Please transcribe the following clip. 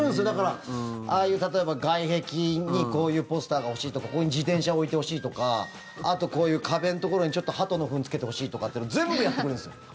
だから、ああいう例えば外壁にこういうポスターが欲しいとかここに自転車置いてほしいとかあと、こういう壁のところにハトのフンつけてほしいとか全部やってくれるんですよ。